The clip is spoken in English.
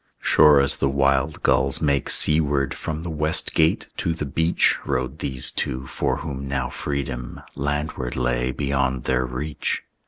Sure as the wild gulls make seaward, From the west gate to the beach Rode these two for whom now freedom Landward lay beyond their reach.